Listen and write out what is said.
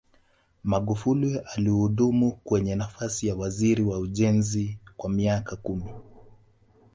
magufuli alihudumu kwenye nafasi ya uwaziri wa ujenzi kwa miaka kumi